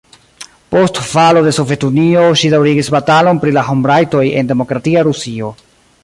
Post falo de Sovetunio ŝi daŭrigis batalon pri la homrajtoj en demokratia Rusio.